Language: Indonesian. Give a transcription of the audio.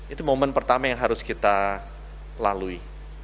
itu momen pertama yang harus kita lalui